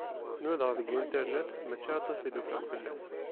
Nudaɣ deg internet, mačči aṭas i d-ufiɣ fell-as.